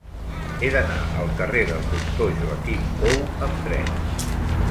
He d'anar al carrer del Doctor Joaquim Pou amb tren.